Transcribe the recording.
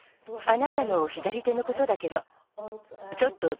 あなたの左手のことだけどちょっととくべつよね。